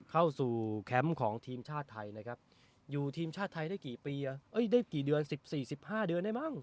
เข้าสู่แคมป์ของทีมชาติไทยนะครับอยู่ทีมชาติไทยได้กี่ปีได้กี่เดือน๑๔๑๕เดือนได้มั้ง